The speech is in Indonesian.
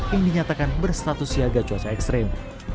yang dinyatakan berstatus siaga cuaca ekstrim